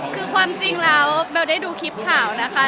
คือความจริงแล้วเบลได้ดูคลิปข่าวนะคะ